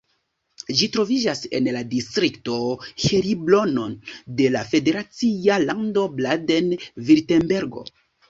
Ĝi troviĝas en la distrikto Heilbronn de la federacia lando Baden-Virtembergo.